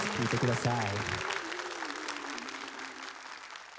聴いてください。